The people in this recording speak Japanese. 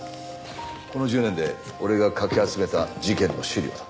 この１０年で俺がかき集めた事件の資料だ。